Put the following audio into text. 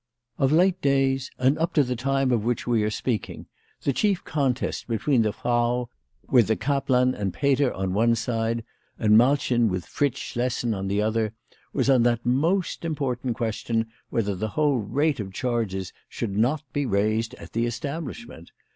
Or late days, and up to the time of which we are speaking, the chief contest between the Frau, with the kaplan and Peter on one side, and Malchen with Fritz Schlessen on the other, was on that most important question whether the whole rate of charges should not be raised at the establishment.